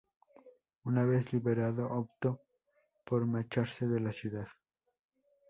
Una vez liberado, optó por marcharse de la ciudad.